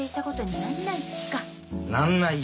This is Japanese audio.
なんないよ。